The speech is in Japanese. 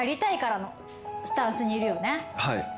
はい。